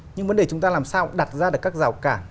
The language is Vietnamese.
nhưng vấn đề chúng ta làm sao đặt ra được các rào cản